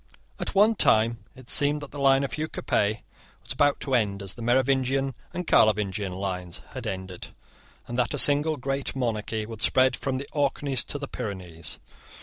At one time it seemed that the line of Hugh Capet was about to end as the Merovingian and Carlovingian lines had ended, and that a single great monarchy would spread from the Orkneys to the Pyrenees.